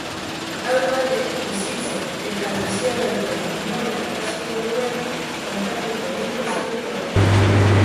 Haur batek bizitzen eta bizirauten nola ikasiko duen kontatuko digu istorio honek.